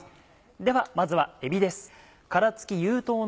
ではまずはえびです。